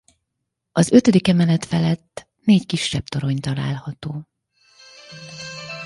Az ötödik emelet felett négy kisebb torony található.